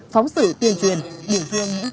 phóng xử tuyên truyền biểu tượng những